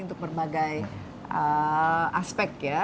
untuk berbagai aspek ya